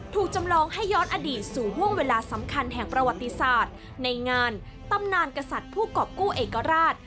จำลองให้ย้อนอดีตสู่ห่วงเวลาสำคัญแห่งประวัติศาสตร์ในงานตำนานกษัตริย์ผู้กรอบกู้เอกราช